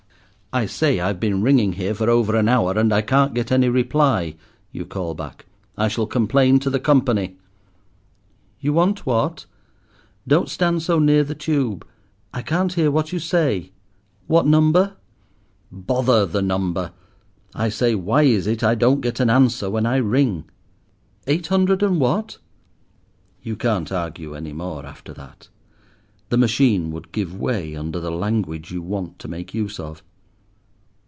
"I say I've been ringing here for over an hour, and I can't get any reply," you call back. "I shall complain to the Company." "You want what? Don't stand so near the tube. I can't hear what you say. What number?" "Bother the number; I say why is it I don't get an answer when I ring?" "Eight hundred and what?" You can't argue any more, after that. The machine would give way under the language you want to make use of.